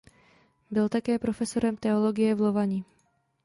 Byl také profesorem teologie v Lovani.